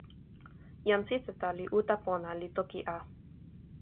jan Sitata li uta pona, li toki a.